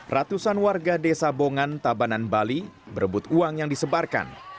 ratusan warga desa bongan tabanan bali berebut uang yang disebarkan